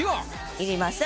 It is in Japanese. いりません。